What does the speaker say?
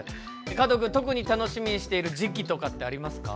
加藤くん特に楽しみにしている時期とかってありますか？